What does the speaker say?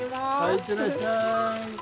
行ってらっしゃい。